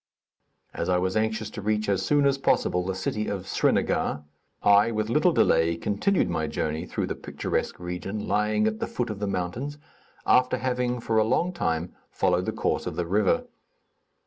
As I was anxious to reach, as soon as possible, the city of Srinagar, I, with little delay, continued my journey through the picturesque region lying at the foot of the mountains, after having, for a long time, followed the course of the river.